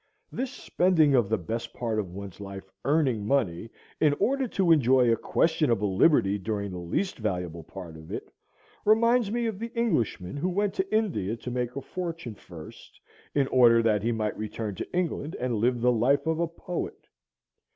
This spending of the best part of one's life earning money in order to enjoy a questionable liberty during the least valuable part of it, reminds me of the Englishman who went to India to make a fortune first, in order that he might return to England and live the life of a poet.